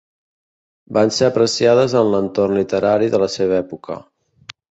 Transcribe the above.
Van ser apreciades en l'entorn literari de la seva època.